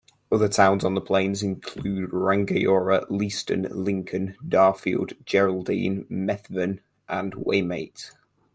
Other towns on the plains include Rangiora, Leeston, Lincoln, Darfield, Geraldine, Methven and Waimate.